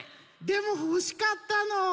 でもほしかったの。